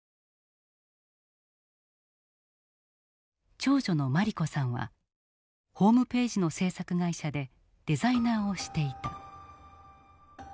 長女の茉莉子さんはホームページの制作会社でデザイナーをしていた。